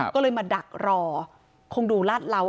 ก็เลยมาดักรอคงดูรัดราวเอาไว้